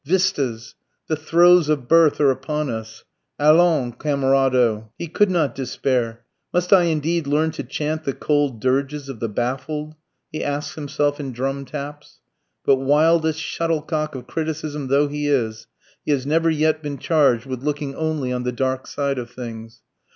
Vistas! The throes of birth are upon us. Allons, camarado! He could not despair. "Must I indeed learn to chant the cold dirges of the baffled?" he asks himself in "Drum Taps." But wildest shuttlecock of criticism though he is, he has never yet been charged with looking only on the dark side of things.